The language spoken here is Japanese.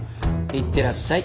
いってらっしゃい。